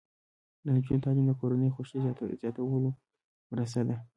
د نجونو تعلیم د کورنۍ خوښۍ زیاتولو مرسته ده.